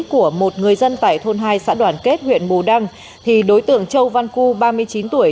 của một người dân tại thôn hai xã đoàn kết huyện bù đăng thì đối tượng châu văn cư ba mươi chín tuổi